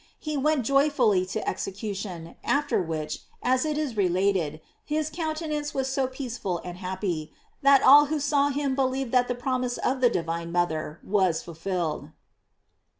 He went joyfully to execution, after which, as it is relat ed, his countenance was so peaceful and happy, that all who saw him believed that the promise of the divine mother was fulfilled.